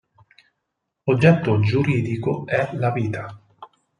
Oggetto giuridico è la vita.